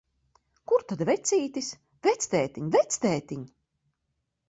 Kur tad vecītis? Vectētiņ, vectētiņ!